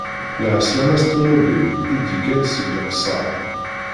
Lɛeslama s ṭunubil, i d-yekkan seg Leqser.